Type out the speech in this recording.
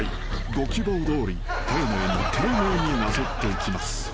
ご希望どおり丁寧に丁寧になぞっていきます］